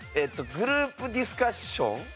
グループディスカッション。